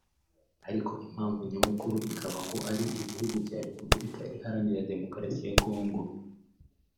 ariko impamvu nyamukuru ikaba ngo ari igihugu cya Repubulkika Iharanira Demokarasi ya Congo